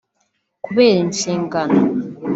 kubera inshingano